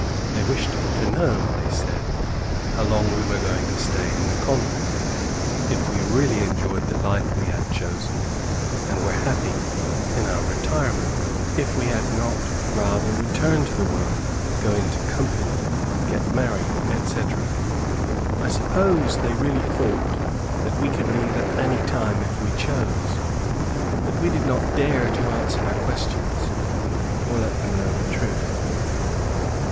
They wished to know, they said, how long we were going to stay in the convent, if we really enjoyed the life we had chosen, and were happy in our retirement; if we had not rather return to the world, go into company, get married, etc. I suppose they really thought that we could leave at any time if we chose. But we did not dare to answer their questions, or let them know the truth.